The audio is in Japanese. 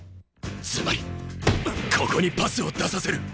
つまりここにパスを出させる！